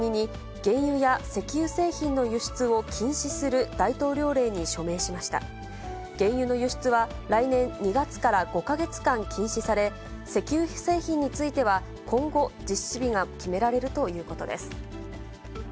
原油の輸出は来年２月から５か月間禁止され、石油製品については、今後、実施日が決められるということです。